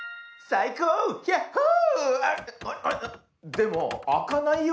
でもあかないよ。